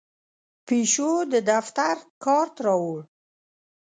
پیشو د دفتر کارت راوړ.